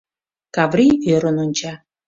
Каврий ӧрын онча.